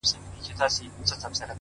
ستادی ـستادی ـستادی فريادي گلي ـ